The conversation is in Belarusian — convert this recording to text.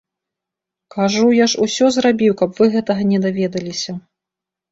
Кажу, я ж усё зрабіў, каб вы гэтага не даведаліся.